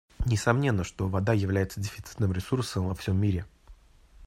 Несомненно, что вода является дефицитным ресурсом во всем мире.